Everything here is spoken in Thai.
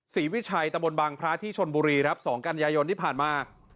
ศรีวิชัยตะบลบังพระที่ชนบุรีสองกัญญายนที่ผ่านมา